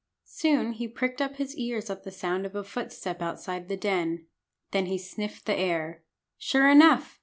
Soon he pricked up his ears at the sound of a footstep outside the den. Then he sniffed the air. Sure enough!